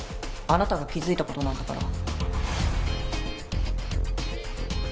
あなたが気づいた事なんだから。